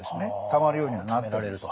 たまるようにはなったんです。